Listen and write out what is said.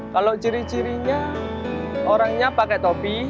kalau ciri cirinya orangnya pakai topi